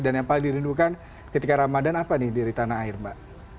dan yang paling dirindukan ketika ramadan apa nih dari tanah air mbak